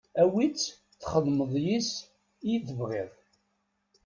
Awi-tt txedmeḍ yes-s i tebɣiḍ.